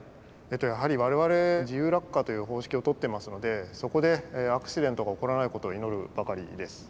やはり我々自由落下という方式をとってますのでそこでアクシデントが起こらないことを祈るばかりです。